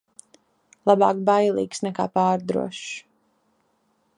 Labāk bailīgs nekā pārdrošs.